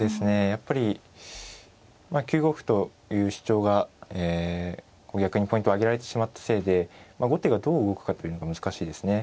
やっぱり９五歩という主張が逆にポイントをあげられてしまったせいで後手がどう動くかというのが難しいですね。